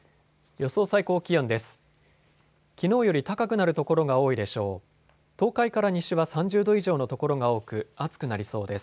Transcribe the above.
予想最高気温です。